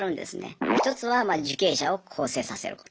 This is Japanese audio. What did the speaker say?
１つは受刑者を更生させること。